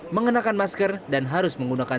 mengenakan masker dan harus menggunakan